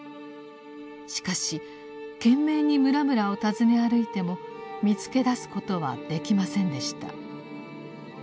しかし懸命に村々を訪ね歩いても見つけだすことはできませんでした。